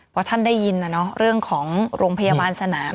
พอท่านได้ยินเรื่องของโรงพยาบาลสนาม